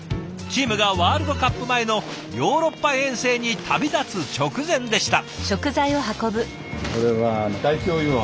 チームがワールドカップ前のヨーロッパ遠征に旅立つ直前でした。